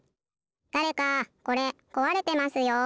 だれかこれこわれてますよ。